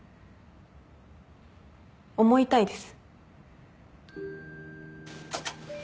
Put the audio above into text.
思いたいです。